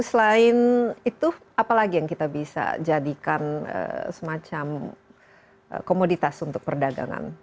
selain itu apalagi yang kita bisa jadikan semacam komoditas untuk perdagangan